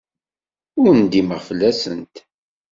Ur ndimeɣ fell-asent.